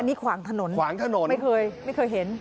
นี่ขวางถนนขวางถนนไม่เคยไม่เคยเห็น